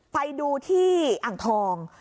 ไปดูที่อ่างทอง